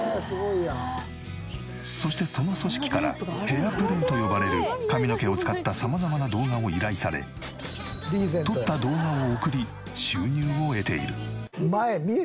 そしてその組織からヘアプレイと呼ばれる髪の毛を使った様々な動画を依頼され撮った動画を送り収入を得ている。